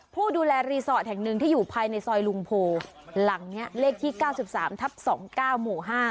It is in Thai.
ผู้ดูแลรีสอร์ทแห่งหนึ่งที่อยู่ภายในซอยลุงโพหลังนี้เลขที่๙๓ทับ๒๙หมู่๕